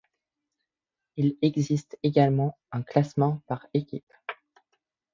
Il existe également un classement par équipes.